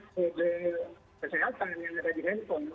kode kesehatan yang ada di handphone